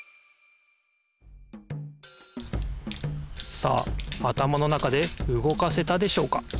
さああたまの中でうごかせたでしょうか？